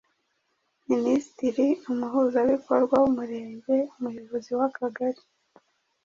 Minisitiri, Umuhuzabikowa w’Umurenge, Umuyobozi w’Akagari.